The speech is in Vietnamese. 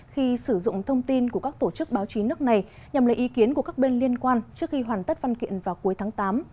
khi sử dụng thông tin của các tổ chức báo chí nước này nhằm lấy ý kiến của các bên liên quan trước khi hoàn tất văn kiện vào cuối tháng tám